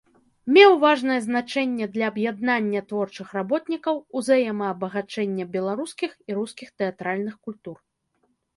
Меў важнае значэнне для аб'яднання творчых работнікаў, узаемаабагачэння беларускіх і рускіх тэатральных культур.